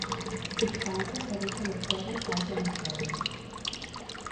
Substància que deixa les coses tal com estaven.